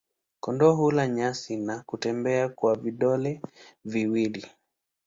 Kondoo hula manyasi na kutembea kwa vidole viwili.